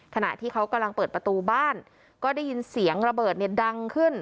ขณะที่เขากำลังเปิดประตูบ้านก็ได้ยินเสียงระเบิดเนี่ยดังขึ้น